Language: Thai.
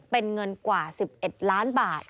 เป็นเงินกว่า๑๑ล้านบาท